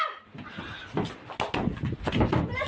กลับไป